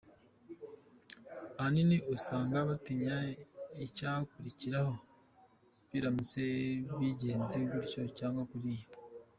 Ahanini usanga batinya icyakurikiraho biramutse bigenze gutya cyangwa kuriya.